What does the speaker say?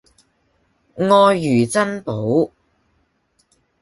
愛如珍寶